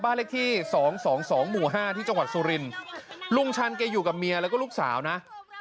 บ้านเล็กที่๒๒๒๕ที่จังหวัดสุรินทร์ลุงชันแกอยู่กับเมียแล้วก็ลูกสาวนะ